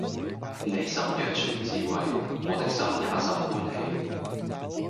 你心若存智慧，我的心也甚歡喜